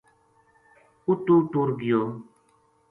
اُتو ٹُر گیو